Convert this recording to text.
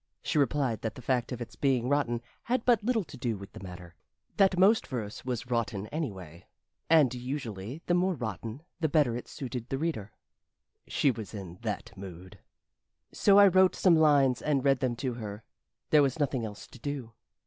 She replied that the fact of its being rotten had but little to do with the matter, that most verse was rotten, anyway, and usually the more rotten the better it suited the reader. She was in that mood. So I wrote some lines and read them to her there was nothing else to do.